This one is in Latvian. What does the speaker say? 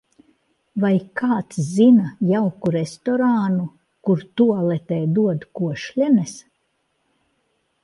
Vai kāds zina jauku restorānu kur, tualetē dod košļenes?